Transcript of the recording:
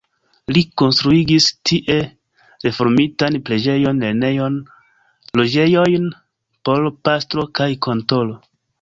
Li konstruigis tie reformitan preĝejon, lernejon, loĝejojn por pastro kaj kantoro.